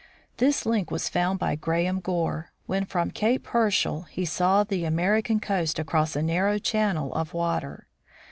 This link was found by Graham Gore, when from Cape Herschel he saw the American coast across a narrow channel of water.